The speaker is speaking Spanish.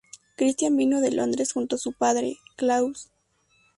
Christian vino de Londres junto a su padre, Claus.